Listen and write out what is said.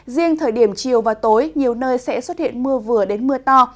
riêng thời điểm chiều và tối nhiều nơi sẽ xuất hiện mưa vừa đến mưa to